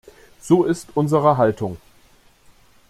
So ist unsere Haltung!